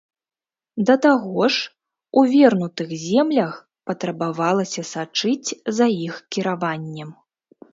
Да таго ж, у вернутых землях, патрабавалася сачыць за іх кіраваннем.